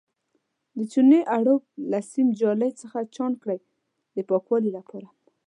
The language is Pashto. د چونې اړوب له سیم جالۍ څخه چاڼ کړئ د پاکوالي لپاره.